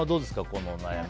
この悩み。